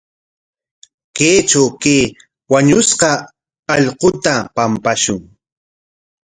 Kaytraw kay wañushqa allquta pampashun.